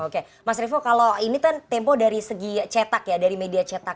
oke mas revo kalau ini kan tempo dari segi cetak ya dari media cetak